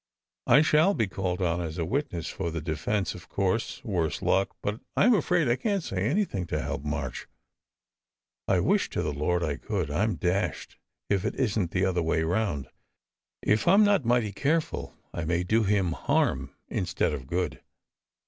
I shall be called on as a witness for the defence, of course, worse luck but I m afraid I can t say anything to help March. I wish to the Lord I SECRET HISTORY could ! I m dashed if it isn t the other way round. If I m not mighty careful, I may do him harm instead of good."